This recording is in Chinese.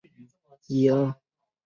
也是喀土穆总教区总主教。